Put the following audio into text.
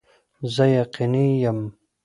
زه یقیني یم